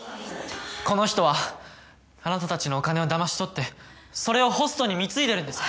この人はあなたたちのお金をだまし取ってそれをホストに貢いでるんです！